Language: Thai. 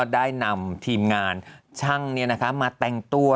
ได้นำทีมงานช่างมาแต่งตัว